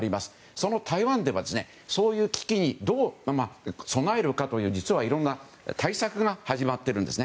その台湾では、そういう危機にどう備えるかといういろんな対策が始まっているんですね。